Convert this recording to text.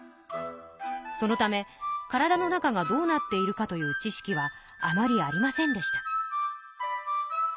そのため体の中がどうなっているかという知識はあまりありませんでした。